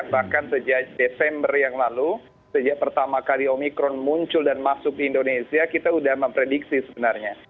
bahkan sejak desember yang lalu sejak pertama kali omikron muncul dan masuk ke indonesia kita sudah memprediksi sebenarnya